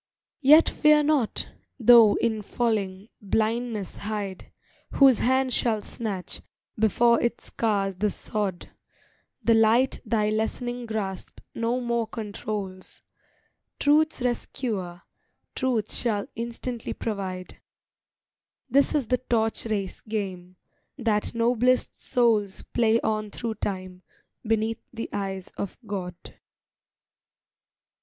Yet fear not, though in falling, blindness hide Whose hand shall snatch, before it scars the sod, The light thy lessening grasp no more controls: Truth's rescuer, Truth shall instantly provide: This is the torch race game, that noblest souls Play on through time beneath the eyes of God.